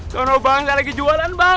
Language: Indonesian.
tidak lagi jualan bang